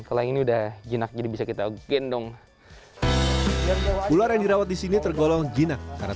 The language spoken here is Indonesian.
kalau ini udah jinak jadi bisa kita gendong ular yang dirawat di sini tergolong jinak karena